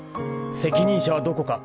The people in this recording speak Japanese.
［責任者はどこか？